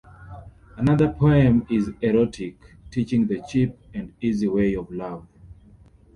Another poem is erotic, teaching the cheap and easy way of love.